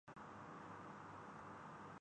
پریٹنگ systems کے ساتھ مطابقت نہیں رکھتے